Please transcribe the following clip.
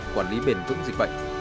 quản lý bền tững dịch bệnh